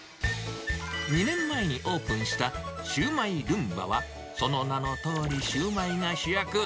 ２年前にオープンしたシュウマイルンバは、その名のとおり、シュウマイが主役。